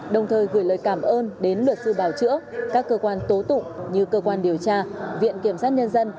đồng thời gửi lời cảm ơn đến luật sư bào chữa các cơ quan tố tụng như cơ quan điều tra viện kiểm sát nhân dân